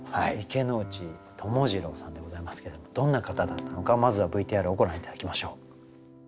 池内友次郎さんでございますけれどもどんな方だったのかまずはＶＴＲをご覧頂きましょう。